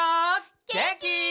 げんき？